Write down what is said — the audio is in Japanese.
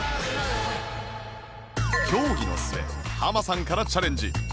協議の末ハマさんからチャレンジ